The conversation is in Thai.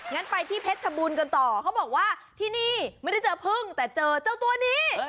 งั้นไปที่เพชรชบูรณ์กันต่อเขาบอกว่าที่นี่ไม่ได้เจอพึ่งแต่เจอเจ้าตัวนี้